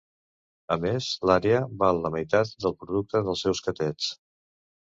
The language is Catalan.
A més l'àrea val la meitat del producte dels seus catets.